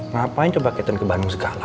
ngapain catherine ke bandung segala